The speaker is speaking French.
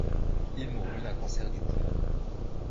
Il mourut d'un cancer du poumon.